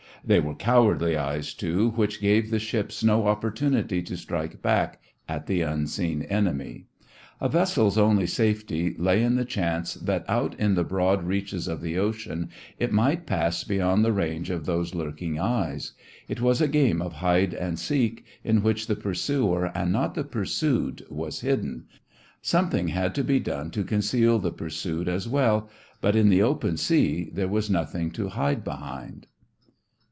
They were cowardly eyes, too, which gave the ship no opportunity to strike back at the unseen enemy. A vessel's only safety lay in the chance that out in the broad reaches of the ocean it might pass beyond the range of those lurking eyes. It was a game of hide and seek in which the pursuer and not the pursued was hidden. Something had to be done to conceal the pursued as well, but in the open sea there was nothing to hide behind.